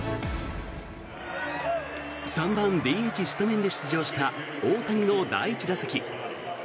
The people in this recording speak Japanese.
３番ＤＨスタメンで出場した大谷の第１打席。